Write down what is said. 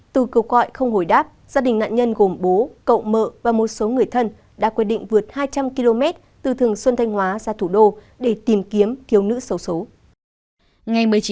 từ kêu gọi không hồi đáp gia đình nạn nhân gồm bố cậu mợ và một số người thân đã quyết định vượt hai trăm linh km từ thường xuân thanh hóa ra thủ đô để tìm kiếm thiếu nữ xấu xố